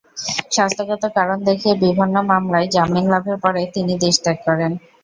স্বাস্থ্যগত কারণ দেখিয়ে বিভিন্ন মামলায় জামিন লাভের পরে তিনি দেশত্যাগ করেন।